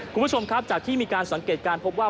คุณผู้ชมครับจากที่มีการสังเกตการณ์พบว่า